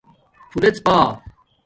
پھولڎپݳ